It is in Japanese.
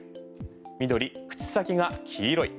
緑、口先が黄色い。